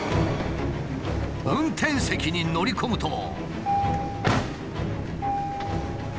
運転席に乗り込むと。